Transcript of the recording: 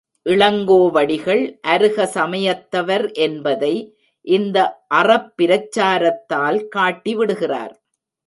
இளங்கோவடிகள் அருக சமயத்தவர் என்பதை இந்த அறப்பிரச்சாரத்தால் காட்டி விடுகிறார்.